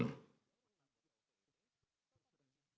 di kabinet sendiri delapan puluh persen mintanya lockdown